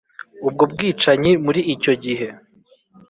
ubwo bwicanyi. muri icyo gihe